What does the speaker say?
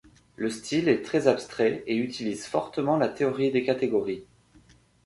Le style est très abstrait et utilise fortement la théorie des catégories.